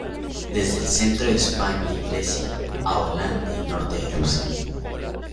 Desde el centro de España y Grecia a Holanda y norte de Rusia.